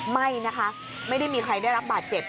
ไม่นะคะไม่ได้มีใครได้รับบาดเจ็บ